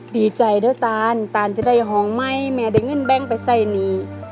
ดีใจด้วยตานตานจะได้หอมไหมแม่ได้เงินแบงค์ไปใส่นี้